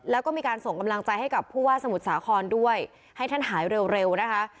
แล้วก็มีการส่งกำลังใจให้กับผู้ว่าสมุทรสาครด้วยให้ท่านหายเร็วนะคะ